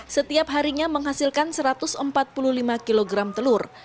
setiap harinya menghasilkan satu ratus empat puluh lima kg telur